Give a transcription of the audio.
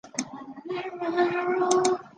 但这个说法没有其他的证据支持。